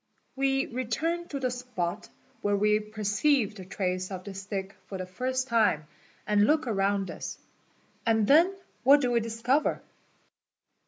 We retvrn to the spot where we perceived the trace of the stick for the first time and look around us, and then what do we discover?